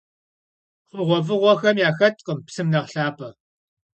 ХъугъуэфӀыгъуэхэм яхэткъым псым нэхъ лъапӀэ.